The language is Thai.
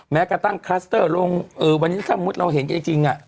แม้กระตั้งคลัสเตอร์ลงวันนี้สมมุติเราเห็นจริง